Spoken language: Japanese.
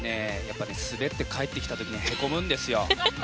スベって帰ってきた時にへこむんですよ。